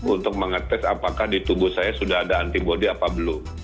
untuk mengetes apakah di tubuh saya sudah ada antibody apa belum